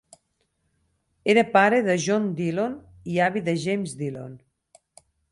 Era pare de John Dillon, i avi de James Dillon.